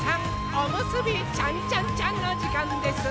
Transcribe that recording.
おむすびちゃんちゃんちゃんのじかんです！